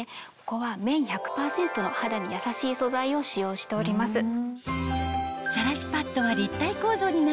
ここは綿１００％の肌に優しい素材を使用しております。